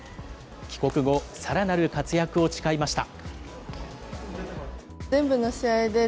帰国後、さらなる活躍を誓いました。